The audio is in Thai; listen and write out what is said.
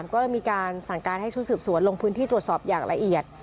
ก็เลยมีการสั่งการให้ชุดสืบสวนลงพื้นที่ตรวจสอบอย่างละเอียด